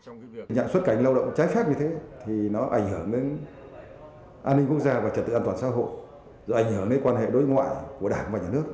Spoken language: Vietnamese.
tình trạng xuất cảnh lao động trái phép như thế thì nó ảnh hưởng đến an ninh quốc gia và trật tự an toàn xã hội rồi ảnh hưởng đến quan hệ đối ngoại của đảng và nhà nước